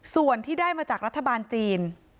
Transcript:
ส่วนที่ได้มาจากรัฐบาลจีน